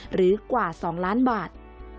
หรือกว่า๒ล้านบาท